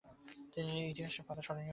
তিনি ইতিহাসের পাতায় স্মরণীয় হয়ে আছেন।